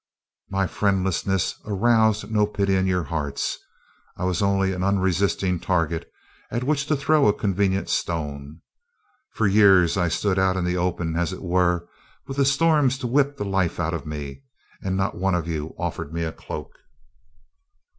"My friendlessness aroused no pity in your hearts; I was only an unresisting target at which to throw a convenient stone. For years I stood out in the open, as it were, with the storms to whip the life out of me, and not one of you offered me a cloak.